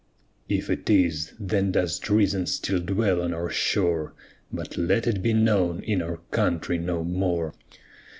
Chorus If it is, then does treason still dwell on our shore, But let it be known in our country no more!